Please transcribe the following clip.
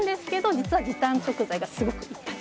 実は時短食材がすごくいっぱい